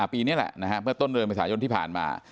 ปีนี้แหละเมื่อต้นเดือนเมษายนที่ผ่านมา